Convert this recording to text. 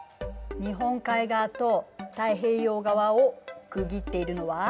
日本海側と太平洋側を区切っているのは？